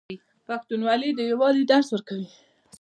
پښتونولي د یووالي درس ورکوي.